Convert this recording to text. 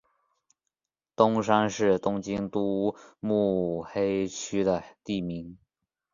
东山是东京都目黑区的地名。